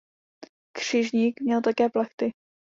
Křižník měl také plachty.